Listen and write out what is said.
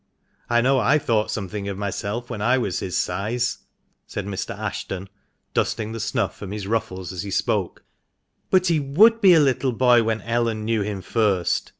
I know I thought something of myself when I was his size," said Mr. Ashton, dusting the snuff from his ruffles as he spoke. " But he would be a little boy when Ellen knew him first.